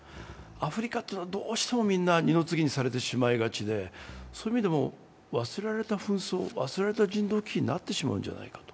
アフリカというのはどうしても二の次にされてしまいがちでそういう意味でも忘れられた紛争、忘れられた人道支援になってしまうのではないか。